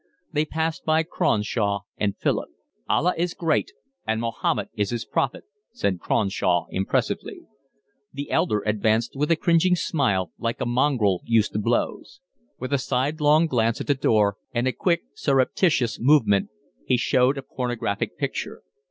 They passed by Cronshaw and Philip. "Allah is great, and Mahomet is his prophet," said Cronshaw impressively. The elder advanced with a cringing smile, like a mongrel used to blows. With a sidelong glance at the door and a quick surreptitious movement he showed a pornographic picture.